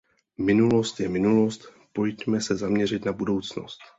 Minulost je minulost; pojďme se zaměřit na budoucnost.